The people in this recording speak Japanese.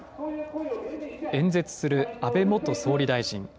演説する安倍元総理大臣。